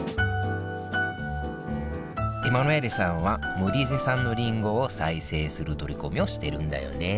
エマヌエーレさんはモリーゼ産のりんごを再生する取り組みをしてるんだよね